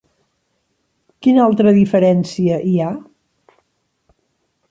Quina altra diferència hi ha?